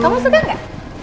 kamu suka ga